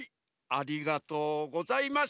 ありがとうございます。